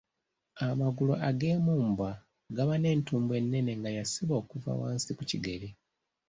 Amagulu ag'emmumbwa gaba n’entumbwe nnene nga yasiba okuva wansi ku kigere.